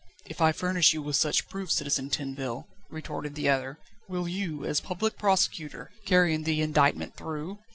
"If I furnish you with such proofs, Citizen Tinville," retorted the other, "will you, as Public Prosecutor, carry the indictment through?"